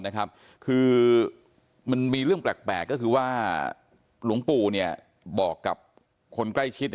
คือมันมีเรื่องแปลกก็คือว่าหลวงปู่บอกกับคนใกล้ชิด